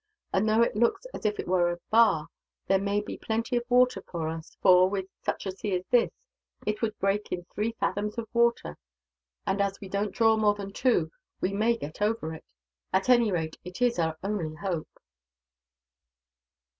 And though it looks as if there were a bar, there may be plenty of water for us for, with such a sea as this, it would break in three fathoms of water and, as we don't draw more than two, we may get over it. At any rate, it is our only hope."